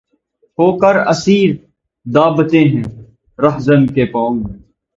ہو کر اسیر‘ دابتے ہیں‘ راہزن کے پانو